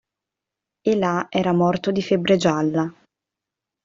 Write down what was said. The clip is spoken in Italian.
E là era morto di febbre gialla.